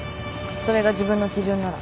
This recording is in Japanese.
それが自分の基準なら。